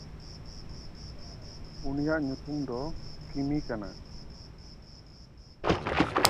ᱩᱱᱤᱭᱟᱜ ᱧᱩᱛᱩᱢ ᱫᱚ ᱠᱤᱢᱤ ᱠᱟᱱᱟ᱾